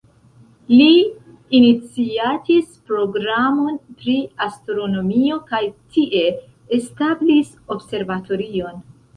Li iniciatis programon pri astronomio kaj tie establis observatorion.